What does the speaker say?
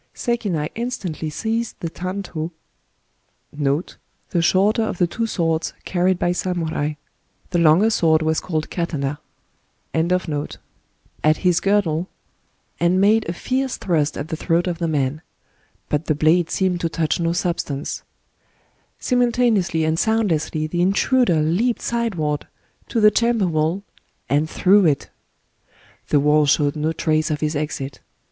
..." Sekinai instantly seized the ianfo^ at his girdle, ^ The shorter of the two twonk carried by nmuni. The longer fword wii called katana. Digitized by Googk IN A CUP OF TEA 15 and made a fierce thrast at the throat of the man. But the blade seemed to touch no substance. Simultaneously and soundlessly the intruder leaped sideward to the chamber wall, and through it /... The wall showed no trace of his exit.